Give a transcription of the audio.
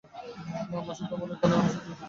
না, মাসি, তোমার ঐ কান্না আমি সইতে পারি নে।